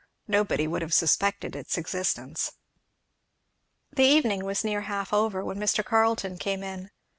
Nobody would have suspected its existence. The evening was near half over when Mr. Carleton came in.